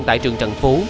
tại trường trần phú